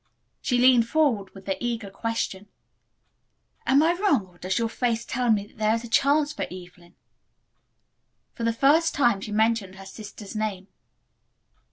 She leaned forward, with the eager question: "Am I wrong or does your face tell me that there is a chance for Evelyn?" For the first time she mentioned her sister's name.